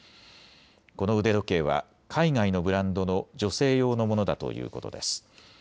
この腕時計は海外のブランドの女性用のものだということです。